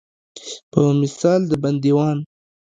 په مثال د بندیوان.